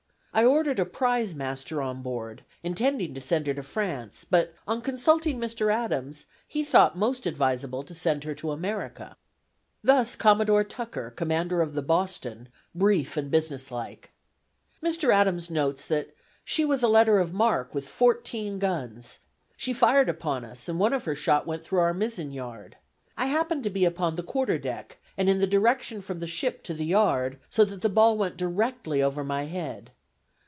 I ordered a prize master on board, intending to send her to France, but on consulting Mr. Adams, he thought most advisable to send her to America." Thus Commodore Tucker, commander of the Boston, brief and business like. Mr. Adams notes that "she was a letter of marque, with fourteen guns. She fired upon us, and one of her shot went through our mizzen yard. I happened to be upon the quarter deck, and in the direction from the ship to the yard, so that the ball went directly over my head.